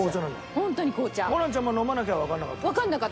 ホランちゃんも飲まなきゃわかんなかったんでしょ？